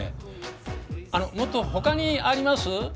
あのもっと他にあります？